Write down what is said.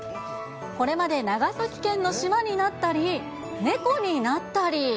これまで長崎県の島になったり、猫になったり。